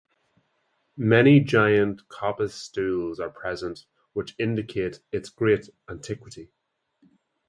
Many giant coppiced stools are present which indicate its great antiquity.